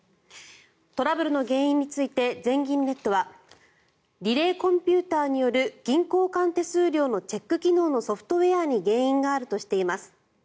トラブルの原因について全銀ネットはリレーコンピューターによる銀行間手数料のチェック機能のソフトウェアに原因があるとしています。